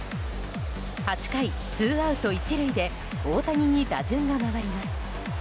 ８回ツーアウト１塁で大谷に打順が回ります。